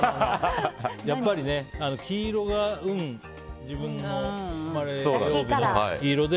やっぱり自分の生まれ曜日の黄色で。